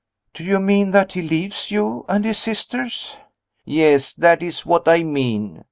"Do you mean that he leaves you and his sisters?" "Yes, that is what I mean.